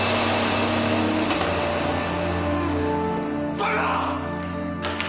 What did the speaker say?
バカ！